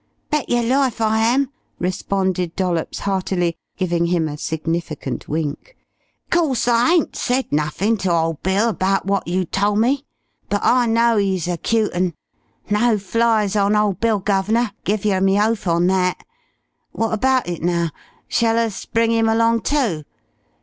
"Bet yer life I am!" responded Dollops heartily, giving him a significant wink. "'Course I ain't said nuffin' ter ole Bill abaht what you tole me, but I know 'e's a cute un. No flies on ole Bill, guv'nor, give yer me oath on that. What abaht it, now? Shall us bring him along too?